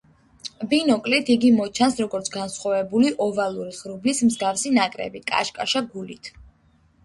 ბინოკლით იგი მოჩანს როგორც განსხვავებული ოვალური ღრუბლის მსგავსი ნაკრები, კაშკაშა გულით.